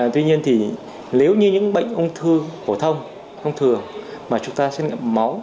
tuy nhiên thì nếu như những bệnh ung thư phổ thông ung thừa mà chúng ta xét nghiệm máu